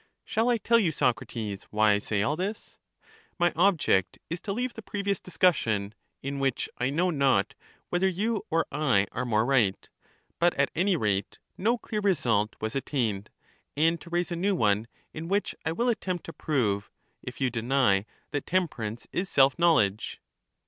Shall I tell you, Socrates, why I say all this? My object is to leave the previous discussion (in which I know not whether you or I are more right, but, at any rate, no clear result was at CHARMIDES 25 tained) , and to raise a new one in which I will attempt to prove, if you deny, that temperance is self knowl edge.